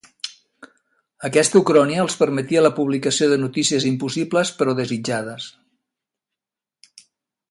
Aquesta ucronia els permetia la publicació de notícies impossibles però desitjades.